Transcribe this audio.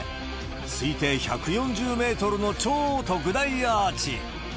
推定１４０メートルの超特大アーチ。